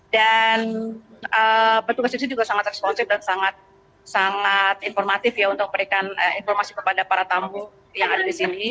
dan petugas di sini juga sangat responsif dan sangat informatif ya untuk memberikan informasi kepada para tamu yang ada di sini